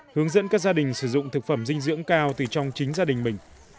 hướng dẫn các gia đình sử dụng thực phẩm dinh dưỡng cao từ trong chính gia đình mình